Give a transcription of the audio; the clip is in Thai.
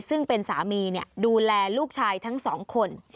ซึ่งเป็นสามีดูแลลูกชายทั้งสองคน